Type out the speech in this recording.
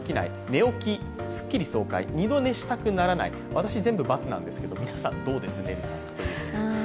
私、全部×なんですけど皆さん、どうです？